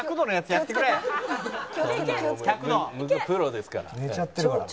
「プロですから」